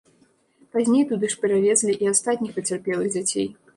Пазней туды ж перавезлі і астатніх пацярпелых дзяцей.